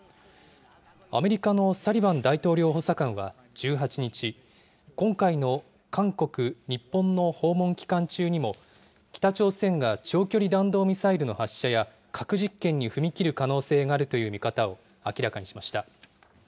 アメリカのサリバン大統領補佐官は１８日、今回の韓国、日本の訪問期間中にも、北朝鮮が長距離弾道ミサイルの発射や、核実験に踏み切る可能性があるという見方を明らかにしました。